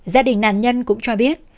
gia đình nạn nhân cũng cho biết